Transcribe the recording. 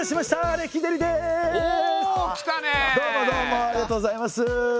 ありがとうございます。